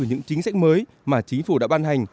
những chính sách mới mà chính phủ đã ban hành